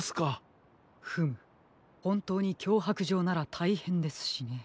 フムほんとうにきょうはくじょうならたいへんですしね。